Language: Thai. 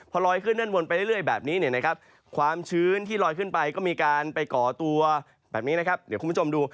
พอลอยขึ้นด้านบนไปเรื่อยแบบนี้เนี่ยนะครับความชื้นที่ลอยขึ้นไปก็มีการไปก่อตัวแบบนี้นะครับเดี๋ยวคุณผู้ชมดู